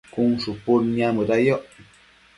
cun shupud niamëda yoc